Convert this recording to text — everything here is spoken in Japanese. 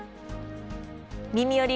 「みみより！